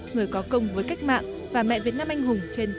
người có công với cách mạng và mẹ việt nam anh hùng trên cả nước